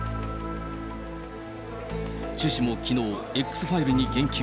チュ氏もきのう、Ｘファイルに言及。